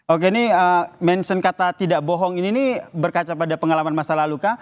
oke ini mention kata tidak bohong ini berkaca pada pengalaman masa lalu kah